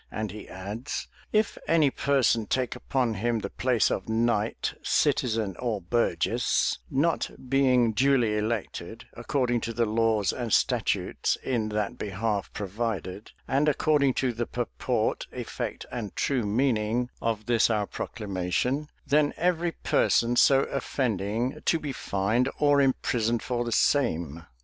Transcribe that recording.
And he adds, "If any person take upon him the place of knight, citizen, or burgess, not being duly elected, according to the laws and statutes in that behalf provided, and according to the purport, effect, and true meaning of this our proclamation, then every person so offending to be fined or imprisoned for the same."